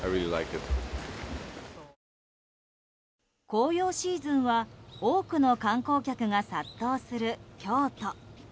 紅葉シーズンは多くの観光客が殺到する京都。